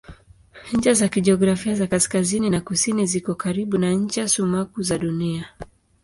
Ncha za kijiografia za kaskazini na kusini ziko karibu na ncha sumaku za Dunia.